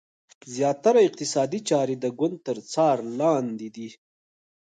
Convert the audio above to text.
زیاتره اقتصادي چارې د ګوند تر څار لاندې دي.